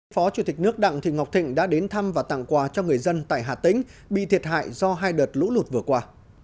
phó chủ tịch nước đặng thị ngọc thịnh đã đến thăm và tặng quà cho người dân tại hà tĩnh bị thiệt hại do hai đợt lũ lụt vừa qua